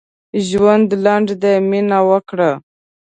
ژوند لنډ دی؛ مينه وکړه.